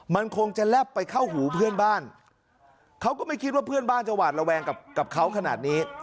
มันคงจะแลบไปเข้าหูเพื่อนบ้านเขาก็ไม่คิดว่าเพื่อนบ้านจะหวาดระแวงกับเขาขนาดนี้